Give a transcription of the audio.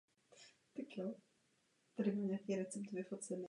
Je proto nutné těmto lidem pomáhat a jejich integraci do společnosti podporovat.